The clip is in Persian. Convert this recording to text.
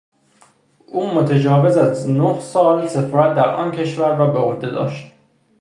او متجاوز از نه سال سفارت در آن کشور را به عهده داشت.